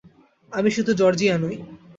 আমি শুধু জর্জিয়া নই।